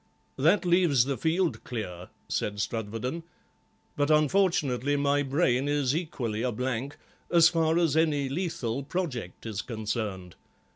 "That leaves the field clear," said Strudwarden, "but unfortunately my brain is equally a blank as far as any lethal project is concerned.